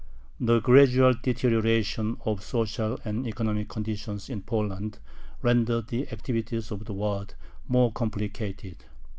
The gradual deterioration of social and economic conditions in Poland rendered the activities of the Waads more complicated.